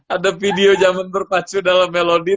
ada video jaman terpacu dalam melody